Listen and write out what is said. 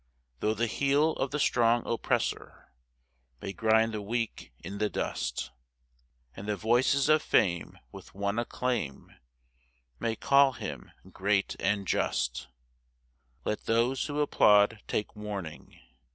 Though the heel of the strong oppressor May grind the weak in the dust; And the voices of fame with one acclaim May call him great and just, Let those who applaud take warning.